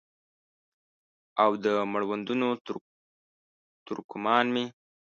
او د مړوندونو تر کمان مې